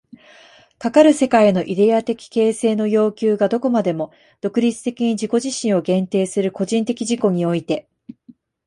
かかる世界のイデヤ的形成の要求がどこまでも独立的に自己自身を限定する個人的自己において、